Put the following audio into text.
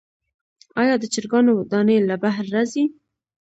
آیا د چرګانو دانی له بهر راځي؟